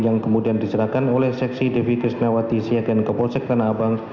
yang kemudian diserahkan oleh saksi devi krisnawati siagen ke polsek tanah abang